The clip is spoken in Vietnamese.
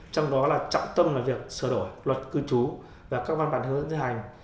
trong đó là trọng tâm về việc sửa đổi luật cư trú và các văn bản hướng dự hành